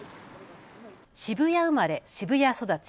渋谷生まれ渋谷育ち。